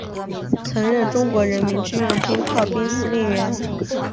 曾任中国人民志愿军炮兵司令员。